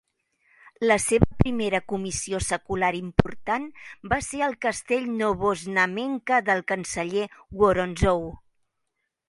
La seva primera comissió secular important va ser el castell Novoznamenka del canceller Woronzow.